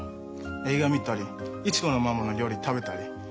映画見たり市子のママの料理食べたり。